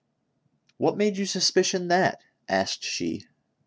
" What made you suspicion that ?" asked she.